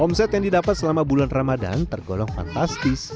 omset yang didapat selama bulan ramadan tergolong fantastis